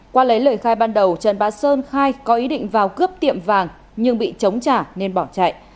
qua lấy lời khai ban đầu trần bá sơn khai có ý định vào cướp tiệm vàng nhưng bị chống trả nên bỏ chạy